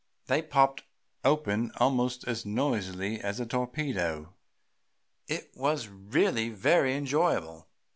They popped open almost as noisily as a torpedo. It was really very enjoyable.